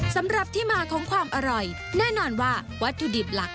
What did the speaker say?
สำหรับที่มาของความอร่อยแน่นอนว่าวัตถุดิบหลัก